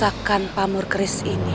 aku akan mencari